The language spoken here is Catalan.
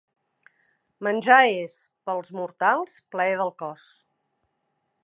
Menjar és, pels mortals, plaer del cos